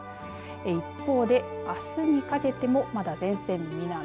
一方で、あすにかけてもまだ前線、南。